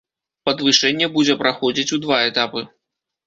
Падвышэнне будзе праходзіць у два этапы.